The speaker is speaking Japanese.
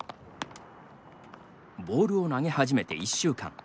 ボールを投げ始めて１週間。